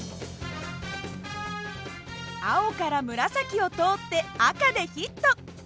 青から紫を通って赤でヒット！